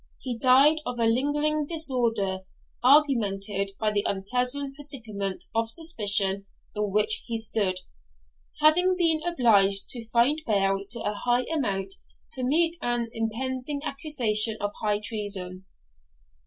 He died of a lingering disorder, augmented by the unpleasant predicament of suspicion in which he stood, having been obliged to find bail to a high amount to meet an impending accusation of high treason.